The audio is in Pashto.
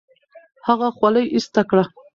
هغه خولۍ ایسته کړه.